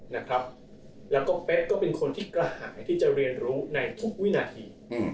แล้วก็เป๊กก็เป็นคนที่กระหายที่จะเรียนรู้ในทุกวินาที